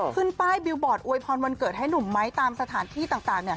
ขึ้นป้ายบิวบอร์ดอวยพรวันเกิดให้หนุ่มไม้ตามสถานที่ต่าง